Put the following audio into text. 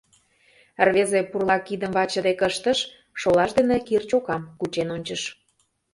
Рвезе пурла кидым ваче дек ыштыш, шолаж дене кир чокам кучен ончыш.